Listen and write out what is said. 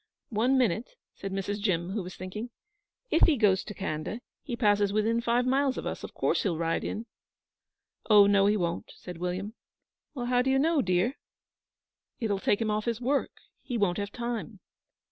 'One minute,' said Mrs. Jim, who was thinking. 'If he goes to Khanda, he passes within five miles of us. Of course he'll ride in.' 'Oh, no, he won't,' said William. 'How do you know, dear?' 'It'll take him off his work. He won't have time.'